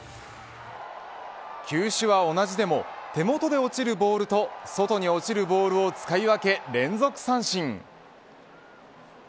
球種は同じでも手元で落ちるボールと外に落ちるボールを使い分け連続三振。